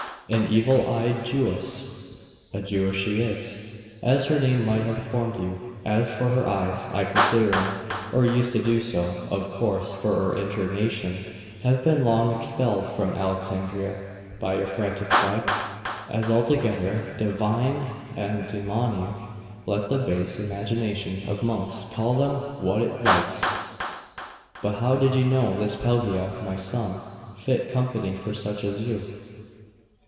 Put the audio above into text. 'An evil eyed old Jewess?' 'A Jewess she is, as her name might have informed you; and as for her eyes, I consider them, or used to do so, of course for her injured nation have been long expelled from Alexandria by your fanatic tribe as altogether divine and demoniac, let the base imagination of monks call them what it likes.' 'But how did you know this Pelagia, my son? She is no fit company for such as you.